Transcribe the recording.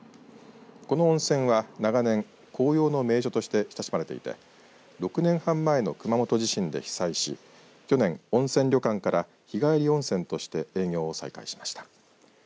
この温泉は長年紅葉の名所として親しまれていて６年半前の熊本地震で被災し去年、温泉旅館から日帰り温泉として営業を再開しました。